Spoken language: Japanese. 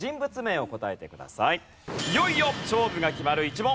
いよいよ勝負が決まる１問。